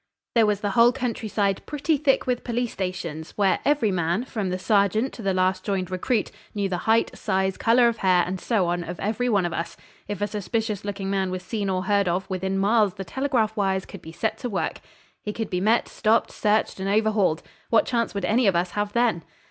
There was the whole countryside pretty thick with police stations, where every man, from the sergeant to the last joined recruit, knew the height, size, colour of hair, and so on of every one of us. If a suspicious looking man was seen or heard of within miles the telegraph wires could be set to work. He could be met, stopped, searched, and overhauled. What chance would any of us have then?